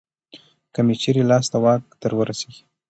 که مې چېرې لاس د واک درورسېږي